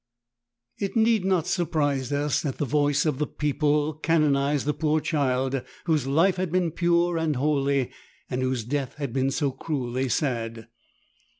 It need not surprise us that the voice of the people canonized the poor child whose life had been pure and holy, and whose death had been so cruelly sad.